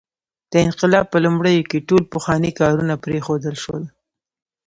د انقلاب په لومړیو کې ټول پخواني کارونه پرېښودل شول.